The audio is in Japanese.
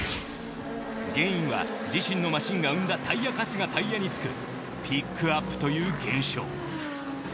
原因は自身のマシンが生んだタイヤカスがタイヤに付くピックアップという現象